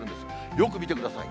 よく見てください。